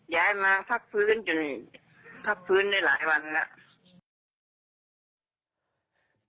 ย้ายมาพักฟื้นจนพักฟื้นได้หลายวันแล้ว